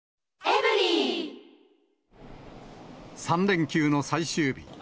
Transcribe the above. ３連休の最終日。